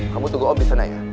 kamu tunggu om di sana ya